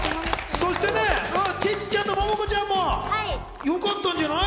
そしてチッチちゃんとモモコちゃんもよかったんじゃない？